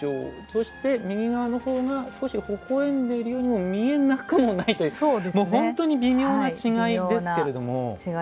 そして、右側の方が少しほほえんでいるようにも見えなくもないという本当に微妙な違いですけれども。